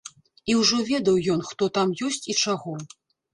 І ўжо ведаў ён, хто там ёсць і чаго.